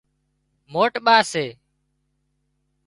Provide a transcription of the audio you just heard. موٽ ٻا سي